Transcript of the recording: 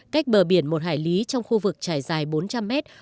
cách bờ biển một hải lý trong khu vực trải dài bốn trăm linh mét